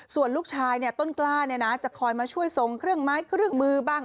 ส่วนลูกชายต้นกล้าจะคอยมาช่วยทรงเครื่องไม้เครื่องมือบ้าง